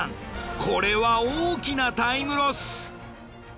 これは大きなタイムロス。